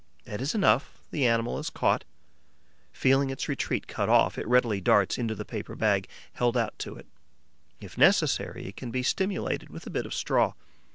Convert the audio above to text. That is enough; the animal is caught. Feeling its retreat cut off, it readily darts into the paper bag held out to it; if necessary, it can be stimulated with a bit of straw.